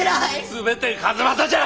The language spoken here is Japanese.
全て数正じゃ！